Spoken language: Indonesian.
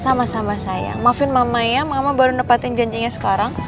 sama sama saya maafin mama ya mama baru nepatin janjinya sekarang